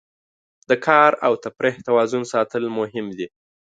د کار او تفریح توازن ساتل مهم دي.